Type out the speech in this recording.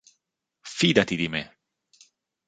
Fidati di me